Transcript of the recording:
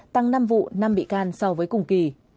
tăng năm vụ năm bị can so với cùng kỳ